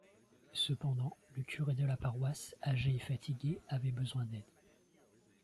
Cependant, le curé de la paroisse, âgé et fatigué avait besoin d'aide.